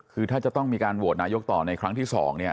คือถ้าจะต้องมีการโหวตนายกต่อในครั้งที่๒เนี่ย